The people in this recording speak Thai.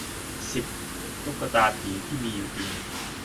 สิบ ตุ๊กตาผีที่มีอยู่จริง